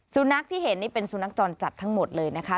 สุนัขที่เห็นนี่เป็นสุนัขจรจัดทั้งหมดเลยนะคะ